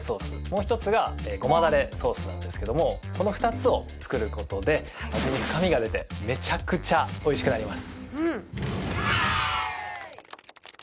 もう１つがゴマだれソースなんですけどもこの２つを作ることで味に深みが出てめちゃくちゃおいしくなります